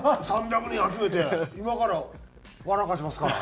３００人集めて「今から笑かしますから」